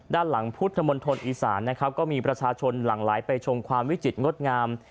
ด้านหลังพุทธมณฑลอีสานนะครับก็มีประชาชนหลั่งไหลไปชมความวิจิตรงดงาม